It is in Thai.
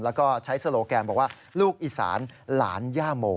แล้วก็ใช้โซโลแกนบอกว่าลูกอีสานหลานย่าโม